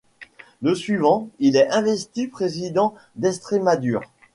Le suivant, il est investi président d'Estrémadure.